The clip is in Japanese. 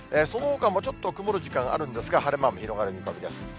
そのほかもちょっと曇る時間あるんですが、晴れ間の広がる見込みです。